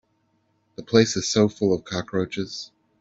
The place is so full of cockroaches.